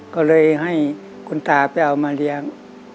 ก็เลยให้คุณตาไปเอามาเลี้ยง